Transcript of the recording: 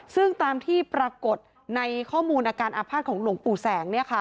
ซึ่งตามที่ปรากฏในข้อมูลอาการอาภาษณ์ของหลวงปู่แสง